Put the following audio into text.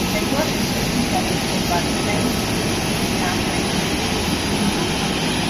Secure and easily tied, the buntline hitch will jam when subjected to extreme loads.